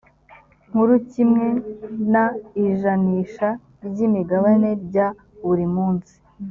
nkuru kimwe n ijanisha ry imigabane rya buri munsi